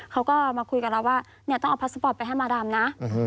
เขาก็มาคุยกันแล้วว่าต้องเอาพลัสสปอร์ตไปให้มาดามนะ